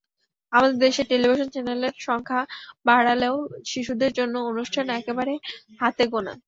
আমাদের দেশের টেলিভিশন চ্যানেলের সংখ্যা বাড়লেও শিশুদের জন্য অনুষ্ঠান একবারে হাতে গোনা।